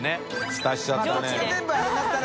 フタしちゃったね。